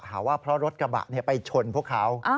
หาว่าเพราะรถกระบะไปชนพวกเขา